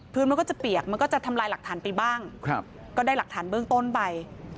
มันก็จะเปียกมันก็จะทำลายหลักฐานไปบ้างก็ได้หลักฐานเบื้องต้นไป